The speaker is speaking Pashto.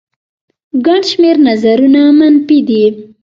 ګڼ شمېر نظرونه منفي دي